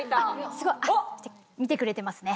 すごい見てくれてますね。